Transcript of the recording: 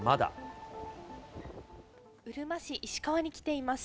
うるま市石川に来ています。